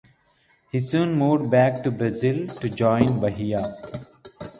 He soon moved back to Brazil to join Bahia.